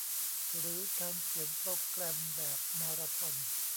หรือการเขียนโปรแกรมแบบมาราธอน